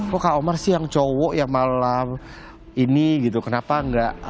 kok kak omar sih yang cowok ya malam ini gitu kenapa enggak